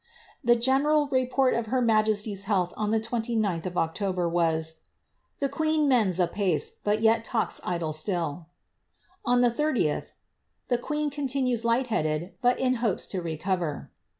The general report of her majesty^s health on the 29th of October^ was, ^ The queen mends a{)arc, but yet talks idle still.'' On the 30th, The queen continues light headed, but in hopes to recover."